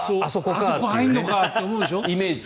あそこに入るのかって思うでしょ。